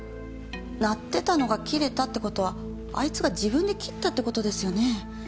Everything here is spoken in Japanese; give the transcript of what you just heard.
鳴ってたのが切れたってことはあいつが自分で切ったってことですよね。